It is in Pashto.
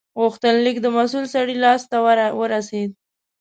غوښتنلیک د مسول سړي لاس ته ورسید.